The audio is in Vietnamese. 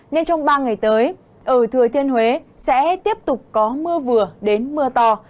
nên trong ba ngày tới ở thừa thiên huế sẽ tiếp tục có mưa vừa đến mưa to